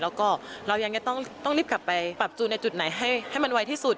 แล้วก็เรายังจะต้องรีบกลับไปปรับจูนในจุดไหนให้มันไวที่สุด